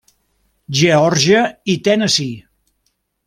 Geòrgia i Tennessee.